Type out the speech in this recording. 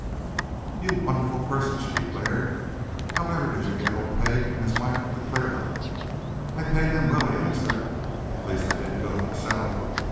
"You wonderful person!" she declared. "How ever did you get old Pegg and his wife to clear out?" "I paid them well," he answered. "At least I didn't do it myself.